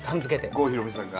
郷ひろみさんが。